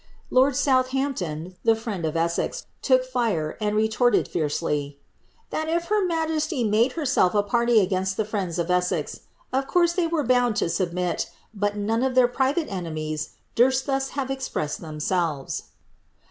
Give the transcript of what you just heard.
Lord Southampton, the friend of Essex, took fire, and retorted, fierce ly, ^ that if her majesty made herself a party against the friends ot Essex, of course, they were bound to submit, but none of their private enemies durst thus have expressed themselves